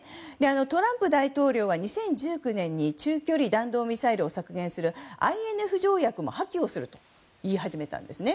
トランプ大統領は２０１９年に中距離弾道ミサイルを削減する、ＩＮＦ条約を破棄すると言い始めたんです。